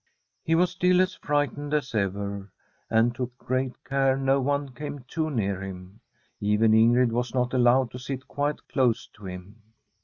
He was still as frightened as ever, and took great care no one came too near him. Even Ingrid was not allowed to sit quite close to him.